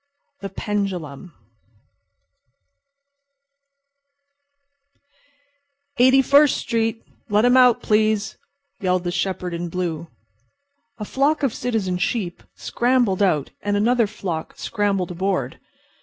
THE PENDULUM "Eighty first street—let 'em out, please," yelled the shepherd in blue. A flock of citizen sheep scrambled out and another flock scrambled aboard.